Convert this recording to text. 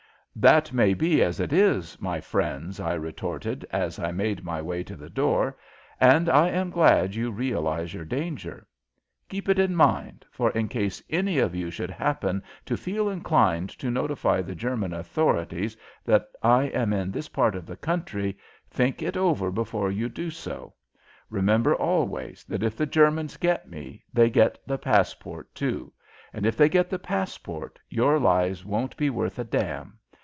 "That may be as it is, my friends," I retorted, as I made my way to the door, "and I am glad you realize your danger. Keep it in mind, for in case any of you should happen to feel inclined to notify the German authorities that I am in this part of the country, think it over before you do so. Remember always that if the Germans get me, they get the passport, too, and if they get the passport, your lives won't be worth a damn!